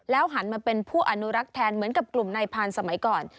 หันมาเป็นผู้อนุรักษ์แทนเหมือนกับกลุ่มนายพานสมัยก่อน